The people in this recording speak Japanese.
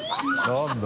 何だ。